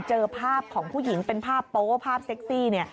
เจอภาพของผู้หญิงเป็นภาพโป๊ภาพเซ็กซี่เนี่ย